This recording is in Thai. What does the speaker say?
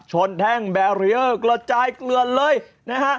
แท่งแบรีเออร์กระจายเกลือนเลยนะฮะ